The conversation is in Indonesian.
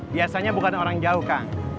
biasanya bukan orang jauh kak